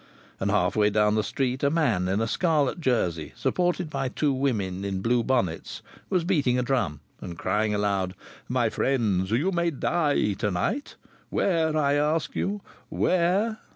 And half way down the street a man in a scarlet jersey, supported by two women in blue bonnets, was beating a drum and crying aloud: "My friends, you may die to night. Where, I ask you, where